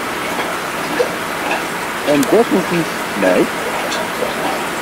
Anda-tent yissetma-k?